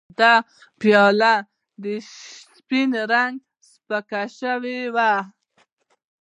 د پیالې سپین رنګ سپک شوی و.